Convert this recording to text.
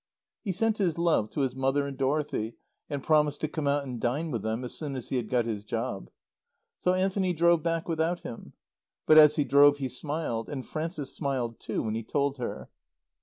He sent his love to his mother and Dorothy, and promised to come out and dine with them as soon as he had got his job. So Anthony drove back without him. But as he drove he smiled. And Frances smiled, too, when he told her.